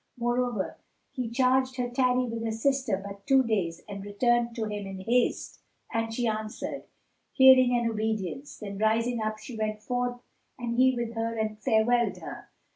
Moreover, he charged her tarry with her sister but two days and return to him in haste; and she answered, "Hearing and obedience." Then rising up she went forth and he with her and farewelled her.